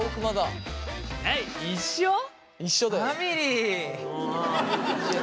一緒だよ。